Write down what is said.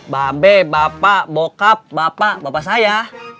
ba be bapak bokap bapak bapak saya